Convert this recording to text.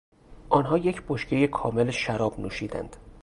آنها یک بشکه کامل شراب نوشیدند.